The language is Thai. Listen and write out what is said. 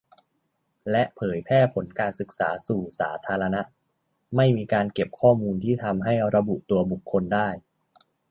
และเผยแพร่ผลการศึกษาสู่สาธารณะ - ไม่มีการเก็บข้อมูลที่ทำให้ระบุตัวบุคคลได้